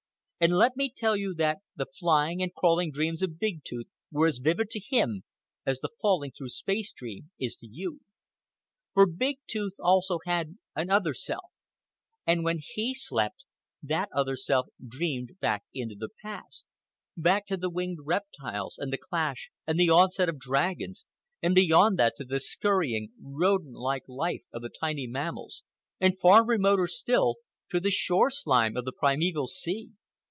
And let me tell you that the flying and crawling dreams of Big Tooth were as vivid to him as the falling through space dream is to you. For Big Tooth also had an other self, and when he slept that other self dreamed back into the past, back to the winged reptiles and the clash and the onset of dragons, and beyond that to the scurrying, rodent like life of the tiny mammals, and far remoter still, to the shore slime of the primeval sea.